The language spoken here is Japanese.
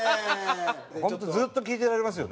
本当ずっと聞いてられますよね。